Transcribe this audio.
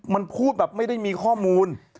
มันพูดแบบไม่ได้มีข้อมูล